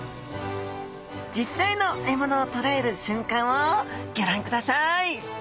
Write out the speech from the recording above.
実際の獲物を捕らえる瞬間をギョ覧ください！